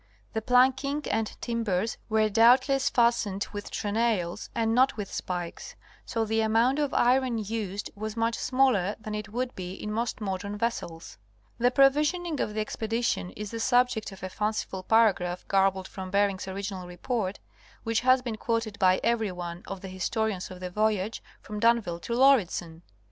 The planking and timbers were doubtless fastened with trenails and not with spikes, so the amount of iron used was much smaller than it would be in most modern vessels. The provisioning of the expedition is the subject of a fanciful paragraph garbled from Bering's original report, which Review of Berings First Hapedition, 1725 30. 147 has been quoted by every one of the historians of the voyage from D'Anville to Lauridsen.